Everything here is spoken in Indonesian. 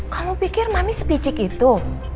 kamu pikir mami sepicik itu